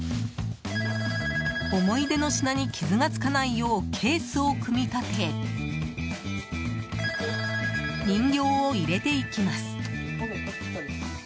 思い出の品に傷が付かないようケースを組み立て人形を入れていきます。